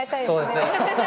そうですね。